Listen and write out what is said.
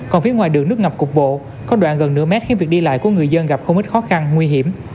còn phía ngoài đường nước ngập cục bộ có đoạn gần nửa mét khiến việc đi lại của người dân gặp không ít khó khăn nguy hiểm